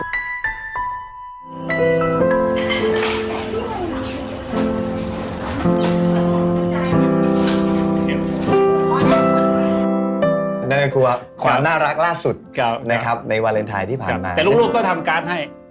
นั่นก็คือความน่ารักล่าสุดนะครับในวาเลนไทยที่ผ่านมาแต่ลูกก็ทำการ์ดให้